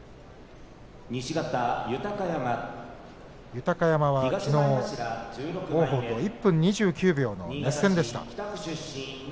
豊山は、きのう王鵬に１分２９秒の熱戦でした。